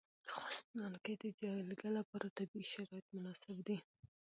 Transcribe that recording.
په افغانستان کې د جلګه لپاره طبیعي شرایط مناسب دي.